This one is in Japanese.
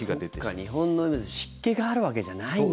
そっか、日本のように湿気があるわけじゃないんだ。